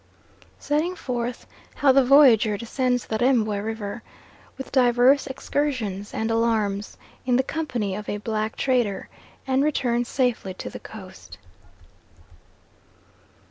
Setting forth how the Voyager descends the Rembwe River, with divers excursions and alarms, in the company of a black trader, and returns safely to the Coast.